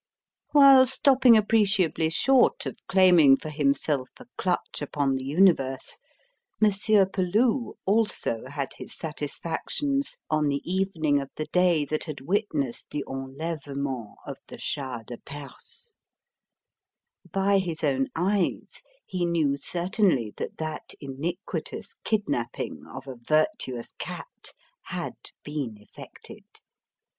While stopping appreciably short of claiming for himself a clutch upon the universe, Monsieur Peloux also had his satisfactions on the evening of the day that had witnessed the enlèvement of the Shah de Perse. By his own eyes he knew certainly that that iniquitous kidnapping of a virtuous cat had been effected.